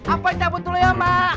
ampoi cabut dulu ya